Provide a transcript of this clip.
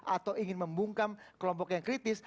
atau ingin membungkam kelompok yang kritis